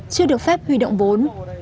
chưa được phép huy động vốn